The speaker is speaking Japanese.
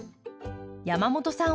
山本さん